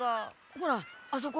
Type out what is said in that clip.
ほらあそこ。